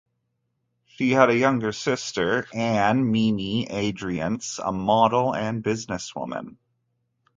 She had a younger sister, Ann "Mimi" Adriance, a model and businesswoman.